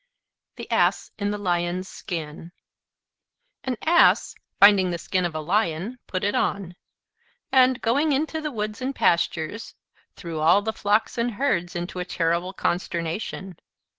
THE ASS IN THE LION'S SKIN An Ass, finding the skin of a Lion, put it on; and, going into the woods and pastures, threw all the flocks and herds into a terrible consternation.